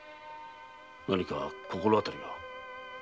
何か心当たりは？